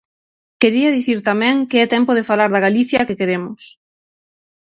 Quería dicir tamén que é tempo de falar da Galicia que queremos.